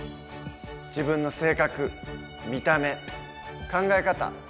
自分の性格見た目考え方